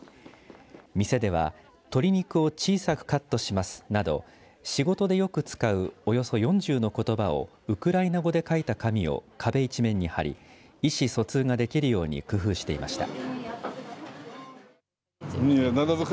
店では鶏肉を小さくカットしますなど仕事でよく使うおよそ４０のことばをウクライナ語で書いた紙を壁一面に貼り意思疎通ができるように工夫していました。